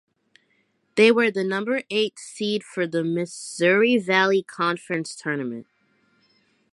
They were the number eight seed for the Missouri Valley Conference Tournament.